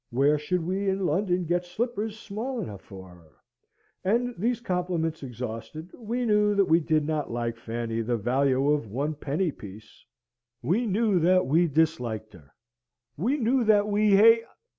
where should we in London get slippers small enough for her? And, these compliments exhausted, we knew that we did not like Fanny the value of one penny piece; we knew that we disliked her; we knew that we ha...